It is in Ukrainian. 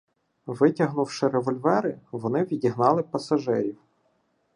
Витягнувши револьвери, вони відігнали пасажирів.